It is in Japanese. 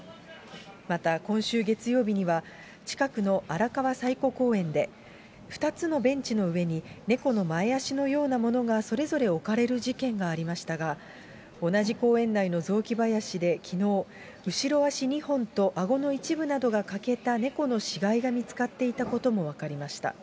また今週月曜日には、近くの荒川彩湖公園で、２つのベンチの上に、猫の前足のようなものがそれぞれ置かれる事件がありましたが、同じ公園内の雑木林できのう、後ろ足２本とあごの一部などが欠けた猫の死骸が見つかっていたことも分かりました。